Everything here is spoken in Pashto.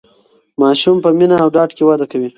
ماسوم په مینه او ډاډ کې وده کوي.